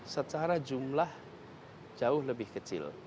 secara jumlah jauh lebih kecil